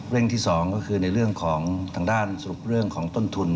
ที่๒ก็คือในเรื่องของทางด้านสรุปเรื่องของต้นทุน